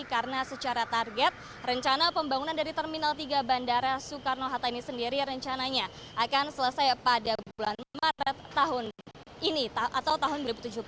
karena secara target rencana pembangunan dari terminal tiga bandara soekarno hatta ini sendiri rencananya akan selesai pada bulan maret tahun ini atau tahun dua ribu tujuh belas